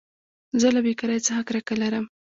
زه له بېکارۍ څخه کرکه لرم.